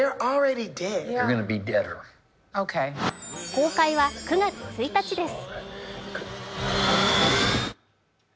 公開は９月１日です。